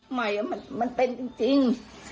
ใหม่มันเป็นจริง